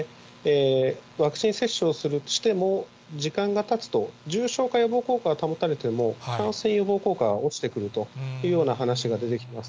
ワクチン接種をしても、時間がたつと、重症化予防効果は保たれても、感染予防効果は落ちてくるというような話が出てきます。